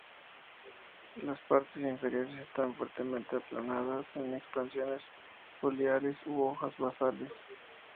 Las partes inferiores están fuertemente aplanadas en 'expansiones foliares" u "hojas basales".